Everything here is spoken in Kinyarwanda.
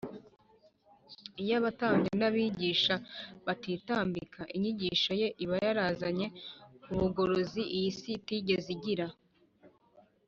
Iyo abatambyi n’abigisha batitambika, inyigisho Ye iba yarazanye ubugorozi iyi si itigeze igira